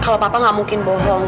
kalau papa nggak mungkin bohong